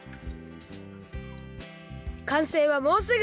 かんせいはもうすぐ！